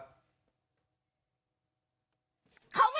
มีไก่ก็ต้องมีขี้ไก่ครับคุณผู้ชมครับ